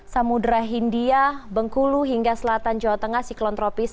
samudera hindia bengkulu hingga selatan jawa tengah siklon tropis